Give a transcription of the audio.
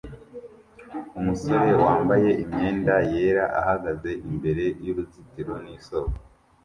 Umusore wambaye imyenda yera ahagaze imbere yuruzitiro nisoko